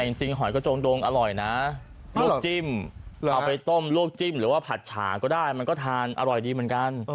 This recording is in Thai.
แต่จริงหอยกระจงดงอร่อยนะลวกจิ้มเอาไปต้มลวกจิ้มหรือว่าผัดฉาก็ได้มันก็ทานอร่อยดีเหมือนกัน